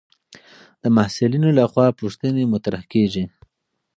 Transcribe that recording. د محصلینو لخوا پوښتنې مطرح کېږي.